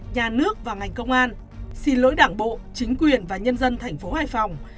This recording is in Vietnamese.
nhà nước và ngành công an xin lỗi đảng bộ chính quyền và nhân dân tp hải phòng